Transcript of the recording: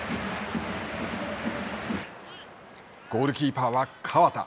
ゴールキーパーは河田。